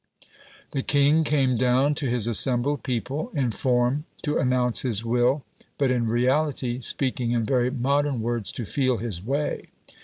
The king came down to his assembled people in form to announce his will, but in reality, speaking in very modern words, to "feel his way".